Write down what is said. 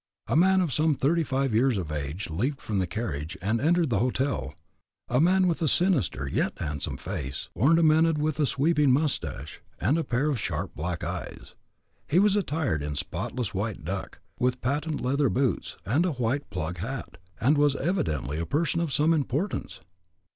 A man of some thirty five years of age leaped from the carriage, and entered the hotel a man with a sinister yet handsome face, ornamented with a sweeping mustache, and a pair of sharp, black eyes. He was attired in spotless white duck, with patent leather boots, and a white "plug" hat, and was evidently a person of some importance!